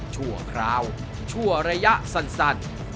ชั่วคราวชั่วระยะสั้น